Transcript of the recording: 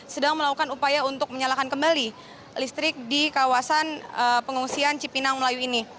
sedang melakukan upaya untuk menyalakan kembali listrik di kawasan pengungsian cipinang melayu ini